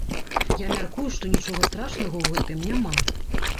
Я мяркую, што нічога страшнага ў гэтым няма.